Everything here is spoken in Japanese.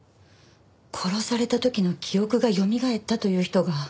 殺された時の記憶がよみがえったと言う人が。